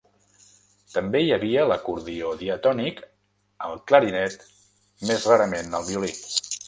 També hi havia l'acordió diatònic, el clarinet, més rarament el violí.